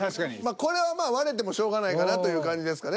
これはまあ割れてもしょうがないかなという感じですかね。